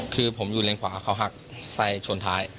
คือผมอยู่เลนขวาเขาหักใส่ชนท้าย